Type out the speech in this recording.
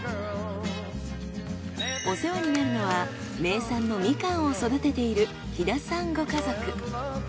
お世話になるのは名産のみかんを育てている飛田さんご家族。